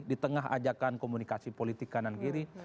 di tengah ajakan komunikasi politik kanan kiri